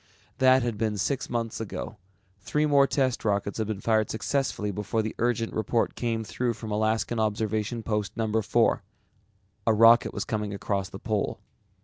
That had been six months ago. Three more test rockets had been fired successfully before the urgent report came through from Alaskan Observation Post No. 4. A rocket was coming across the Pole.